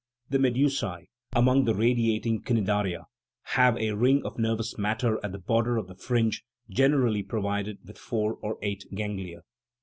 The medusae, among the radiating cnidaria, have a ring of nervous matter at the border of the fringe, generally provided with four or eight ganglia.